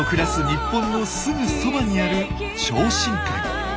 日本のすぐそばにある超深海。